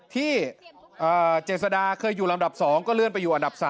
เจษดาเคยอยู่ลำดับ๒ก็เลื่อนไปอยู่อันดับ๓